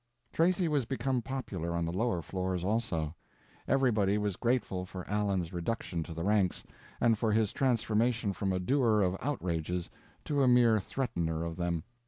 Tracy was become popular on the lower floors also. Everybody was grateful for Allen's reduction to the ranks, and for his transformation from a doer of outrages to a mere threatener of them.